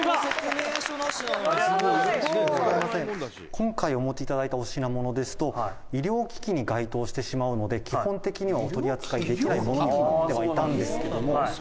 「今回お持ちいただいた、お品物ですと医療機器に該当してしまうので基本的にはお取り扱いできないものにはなってはいたんですけども」